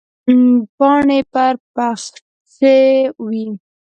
پاڼې پر پخڅې وې.